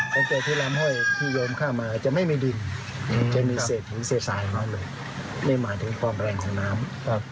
สังเกตที่ลำห้อยที่โยมเข้ามาจะไม่มีดินจะมีเศษหินเศษสายของเขาเลยไม่หมายถึงความแรงของน้ำ